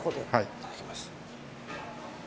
いただきます。